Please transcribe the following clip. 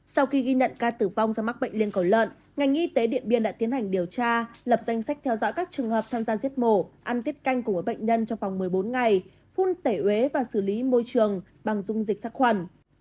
sau khi ghi nhận ca tử vong do mắc bệnh liên cầu lợn ngành y tế điện biên đã tiến hành điều tra lập danh sách theo dõi các trường hợp tham gia giết mổ ăn tiếp canh cùng với bệnh nhân trong vòng một mươi bốn ngày phun tẩy uế và xử lý môi trường bằng dung dịch sát khuẩn